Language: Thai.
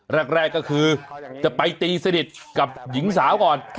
แรกก็คือจะไปตีสนิทกับหญิงสาวก่อน